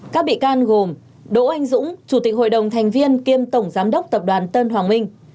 các bị can gồm đỗ anh dũng chủ tịch hội đồng thành viên kiêm tổng giám đốc tập đoàn tân hoàng minh